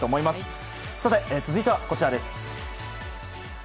続いてはこちらです。